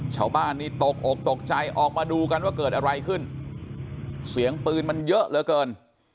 ชาวบ้านนี่ตกอกตกใจออกมาดูกันว่าเกิดอะไรขึ้นเสียงปืนมันเยอะเหลือเกิน